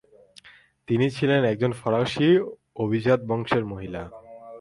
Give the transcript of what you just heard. তিনি ছিলেন একজন ফরাসি অভিজাত বংশের মহিলা।